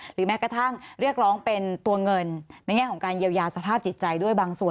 แม้กระทั่งเรียกร้องเป็นตัวเงินในแง่ของการเยียวยาสภาพจิตใจด้วยบางส่วน